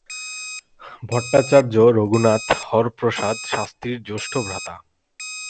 ভট্টাচার্য, রঘুনাথ হরপ্রসাদ শাস্ত্রীর জ্যেষ্ঠ ভ্রাতা।